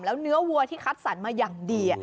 แล้วเนื้อวัวที่คัดสรรมาอย่างดี